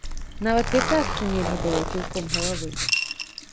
Нават вітацца нельга было кіўком галавы.